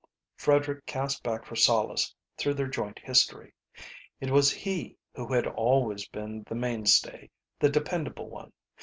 Frederick cast back for solace through their joint history. It was he who had always been the mainstay, the dependable one.